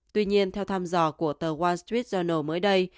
tuy nhiên theo tham dò của the wall street journal mới đây